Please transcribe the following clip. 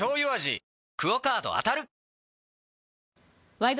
「ワイド！